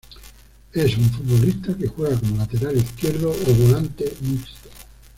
Es un futbolista que juega como lateral izquierdo o volante mixto.